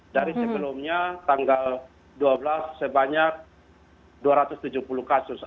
dari sebelumnya tanggal dua belas sebanyak dua ratus tujuh puluh kasus